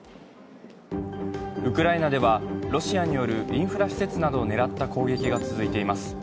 ウクライナではロシアによるインフラ施設などを狙った攻撃が続いています。